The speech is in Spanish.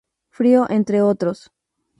Frío entre otros.